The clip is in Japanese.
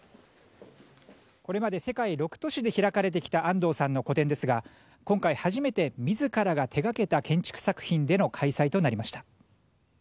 これまで世界６都市で開かれてきた安藤さんの個展ですが今回初めて自らが手掛けた建築作品での開催となりました。